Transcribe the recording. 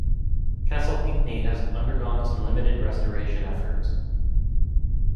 Castle Pinckney has undergone some limited restoration efforts.